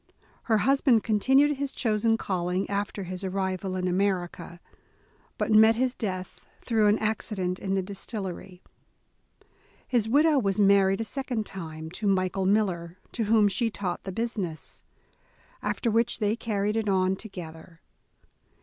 Her husband continued his chosen calling after his ar rival in America, but met his death through an accident in the distillery. His widow was married a second time, to Michael Miller, to whom she taught the business, after which they carried it on together.